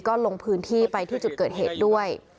ก็ลงพื้นที่ไปที่จุดเกิดเหตุด้วย